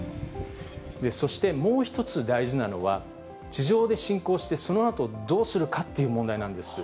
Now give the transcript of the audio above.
そしてもう一つ大事なのは、地上で侵攻して、そのあとどうするかっていう問題なんです。